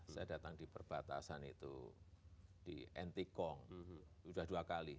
saya datang di perbatasan itu di ntkong sudah dua kali